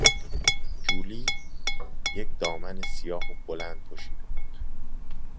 جولی یک دامن سیاه و بلند پوشیده بود.